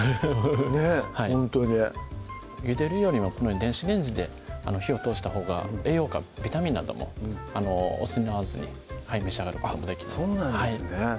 ねっほんとにゆでるよりもこのように電子レンジで火を通したほうが栄養価ビタミンなども失わずに召し上がることもできますそうなんですね